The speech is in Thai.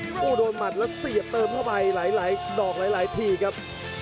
โอ้โหโดนหมัดแล้วเสียบเติมเข้าไปหลายดอกหลายทีครับ